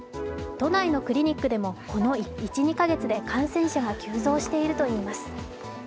都内のクリニックでもこの１２か月で感染者が急増しているといいます。